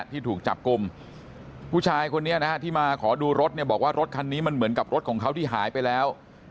ที่ถูกจับกลุ่มผู้ชายคนนี้นะฮะที่มาขอดูรถเนี่ยบอกว่ารถคันนี้มันเหมือนกับรถของเขาที่หายไปแล้ว